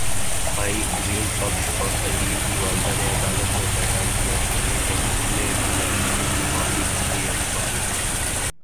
بھائی عظیم بخش اور قندیل کی والدہ نے عدالت میں بیان دیا کہ انہیں اپنے بھتیجے کی معافی پر کوئی اعتبار نہیں